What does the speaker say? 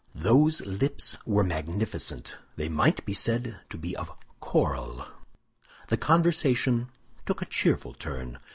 Those lips were magnificent; they might be said to be of coral. The conversation took a cheerful turn.